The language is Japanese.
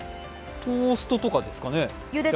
トーストとかですかね？